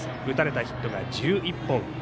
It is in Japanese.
打たれたヒットは１１本。